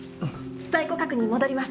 在庫確認戻ります。